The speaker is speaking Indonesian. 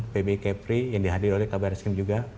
bbi kepri yang dihadiri oleh kabar rizkim juga